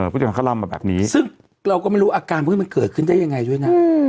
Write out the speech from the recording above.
ผู้จัดการเขาเล่ามาแบบนี้ซึ่งเราก็ไม่รู้อาการพวกนี้มันเกิดขึ้นได้ยังไงด้วยนะ